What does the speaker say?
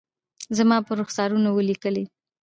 زما پر رخسارونو ولیکلي